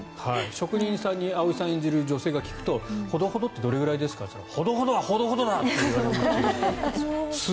職人さんに葵さん演じる女性が聞くとほどほどってどれぐらいですかと聞いたらほどほどはほどほどだと言われるという。